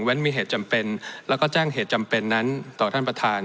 มีเหตุจำเป็นแล้วก็แจ้งเหตุจำเป็นนั้นต่อท่านประธาน